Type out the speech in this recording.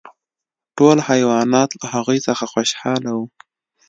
ټول حیوانات له هغوی څخه خوشحاله وو.